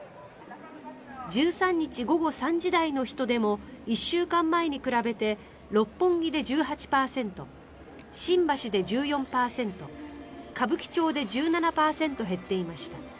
１３日午後３時台の人出も１週間前に比べて六本木で１８％新橋で１４％歌舞伎町で１７％減っていました。